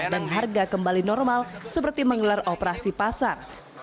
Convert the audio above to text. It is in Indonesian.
dan harga kembali normal seperti menggelar operasi pasar